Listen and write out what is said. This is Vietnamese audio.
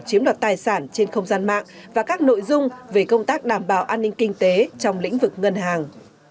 chiếm đoạt tài sản trên không gian mạng và các nội dung về công tác đảm bảo an ninh kinh tế trong lĩnh vực ngân hàng